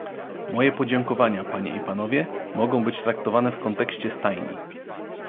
Moje podziękowania, panie i panowie, mogą być traktowane w kontekście stajni